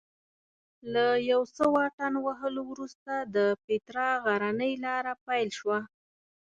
له یو څه واټن وهلو وروسته د پیترا غرنۍ لاره پیل شوه.